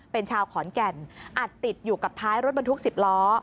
เป็นชาวขอนแก่นอัดติดอยู่กับท้ายรถบรรทุก๑๐ล้อ